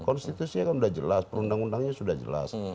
konstitusi kan sudah jelas perundang undangnya sudah jelas